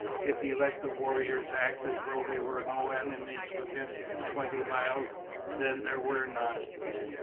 If he let the warriors act as though there were no enemies within twenty miles, then there were none.